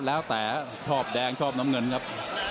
แล้วแต่ชอบแดงชอบน้ำเงินครับ